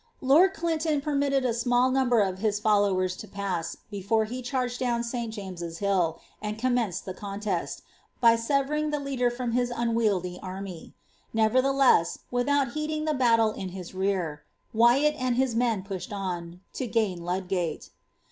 Lord Clinton per mitted a small number of his followers to pass, before he oharg(ul down St. James'S Hill, and commenced the contest, by severing the leader from his unwieldy army. Nevertheless, without hueding the battle in bis' rear, Wyatt and his men pushed on, to gain Ludgate.